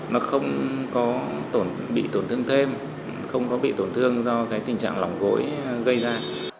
nó không có bị tổn thương thêm không có bị tổn thương do cái tình trạng lỏng gối gây ra